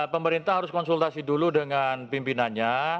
pemerintah harus konsultasi dulu dengan pimpinannya